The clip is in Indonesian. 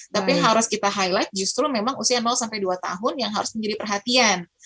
tapi yang harus kita highlight justru memang usia sampai dua tahun yang harus menjadi perhatian